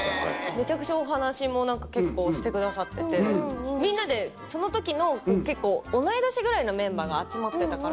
めちゃくちゃお話も結構してくださっててみんなでそのときの結構同い年ぐらいのメンバーが集まってたから。